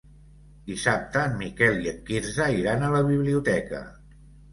Dissabte en Miquel i en Quirze iran a la biblioteca.